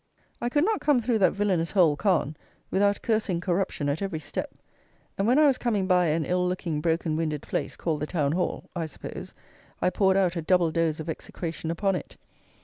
I could not come through that villanous hole, Calne, without cursing Corruption at every step; and when I was coming by an ill looking, broken winded place, called the town hall, I suppose, I poured out a double dose of execration upon it.